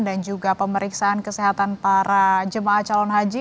dan juga pemeriksaan kesehatan para jemaah calon haji